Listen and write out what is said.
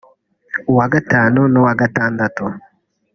uwa gatanu n’uwa gatandatu